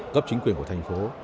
cấp chính quyền của thành phố